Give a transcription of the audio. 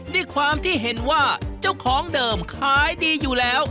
ด้วยความที่เห็นว่าเจ้าของเดิมขายดีอยู่แล้ว